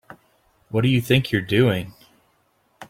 What do you think you're doing?